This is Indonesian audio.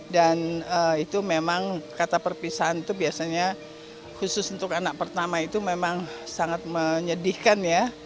dan itu memang kata perpisahan itu biasanya khusus untuk anak pertama itu memang sangat menyedihkan ya